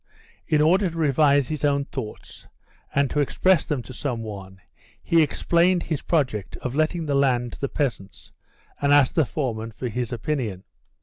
In order to revise his own thoughts, and to express them to some one, he explained his project of letting the land to the peasants, and asked the foreman for his opinion.